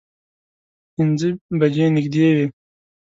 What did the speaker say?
پینځه بجې نږدې وې.